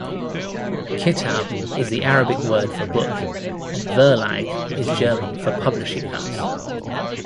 "Kitab" is the Arabic word for "book" and "Verlag" is German for "publishing house".